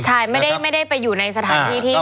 ใช่ไม่ได้ไปอยู่ในสถานที่ที่